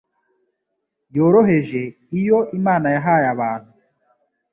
yoroheje, iyo Imana yahaye abantu